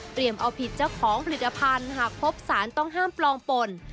เอาผิดเจ้าของผลิตภัณฑ์หากพบสารต้องห้ามปลอมป่น